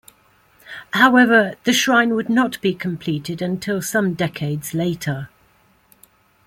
However, the shrine would not be completed until some decades later.